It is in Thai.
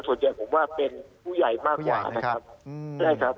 ส่วนใหญ่ผมว่าเป็นผู้ใหญ่มากกว่านะครับใช่ครับ